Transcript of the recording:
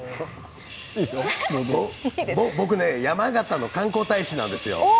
僕ね、山形の観光大使なんですよ。